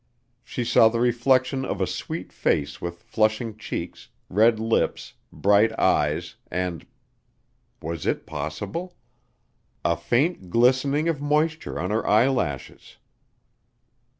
She saw the reflection of a sweet face with flushing cheeks, red lips, bright eyes, and was it possible! a faint glistening of moisture on her eyelashes!